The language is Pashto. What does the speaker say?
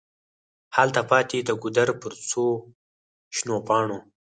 هلته پاتي د ګودر پر څوشنو پاڼو